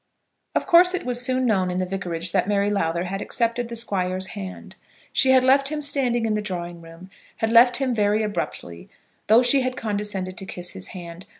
Of course it was soon known in the vicarage that Mary Lowther had accepted the Squire's hand. She had left him standing in the drawing room; had left him very abruptly, though she had condescended to kiss his hand.